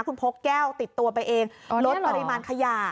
คุณพกแก้วติดตัวไปเองลดปริมาณขยะ